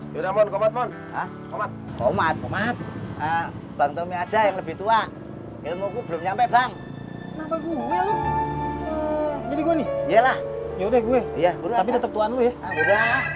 bang tommy aja yang lebih tua ilmu belum nyampe bang jadi gue nih iyalah ya udah gue tetap tuhan